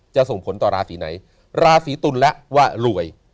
ส่งผลต่อราศีไหนราศีตุลและว่ารวย